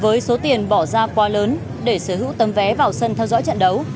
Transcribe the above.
với số tiền bỏ ra quá lớn để sở hữu tấm vé vào sân theo dõi trận đấu